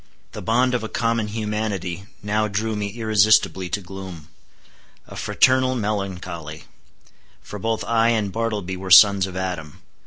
The bond of a common humanity now drew me irresistibly to gloom. A fraternal melancholy! For both I and Bartleby were sons of Adam.